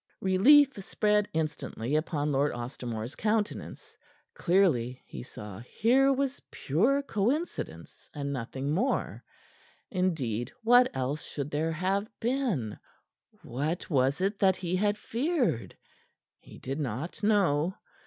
Relief spread instantly upon Lord Ostermore's countenance. Clearly, he saw, here was pure coincidence, and nothing more. Indeed, what else should there have been? What was it that he had feared? He did not know.